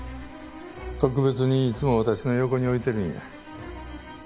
特別にいつも私の横に置いてるんや。